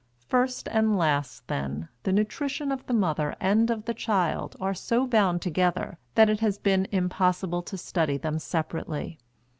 First and last, then, the nutrition of the mother and of the child are so bound together that it has been impossible to study them separately.